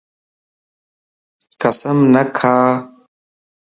قسم نه کا